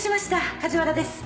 梶原です。